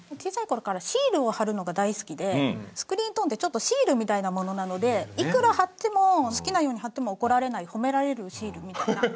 スクリーントーンってちょっとシールみたいなものなのでいくら貼っても好きなように貼っても怒られない褒められるシールみたいな。